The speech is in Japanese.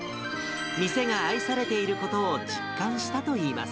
店が愛されていることを実感したといいます。